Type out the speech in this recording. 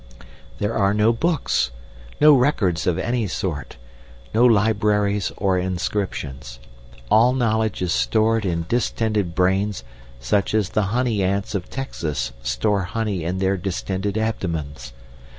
There are no books, no records of any sort, no libraries or inscriptions. All knowledge is stored in distended brains much as the honey ants of Texas store honey in their distended abdomens.